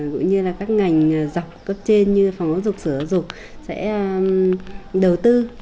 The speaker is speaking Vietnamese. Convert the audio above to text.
cũng như là các ngành dọc cấp trên như phòng học dục sửa dục sẽ đầu tư